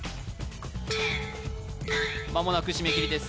間もなく締め切りです